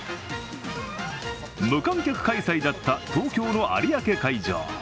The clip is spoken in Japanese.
無観客開催だった東京の有明会場。